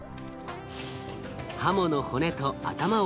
ハモの骨と頭を